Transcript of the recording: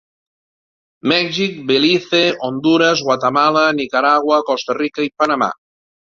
Mèxic, Belize, Hondures, Guatemala, Nicaragua, Costa Rica i Panamà.